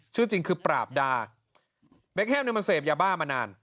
ชื่อจริงคือปราบดาเบคแฮมเนี่ยมันเสพยาบ้ามานาน